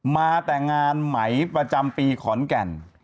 มาแต่งานไหมประจำปีขอนแก่น